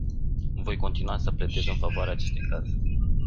Voi continua să pledez în favoarea acestui caz.